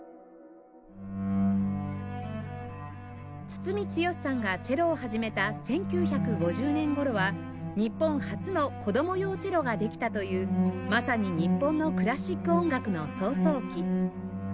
堤剛さんがチェロを始めた１９５０年頃は日本初の子ども用チェロができたというまさに日本のクラシック音楽の草創期